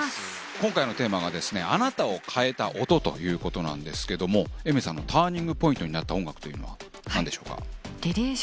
今回のテーマがあなたを変えた音ということなんですけども、Ａｉｍｅｒさんのターニングポイントになった音楽というのはなんでしょうか。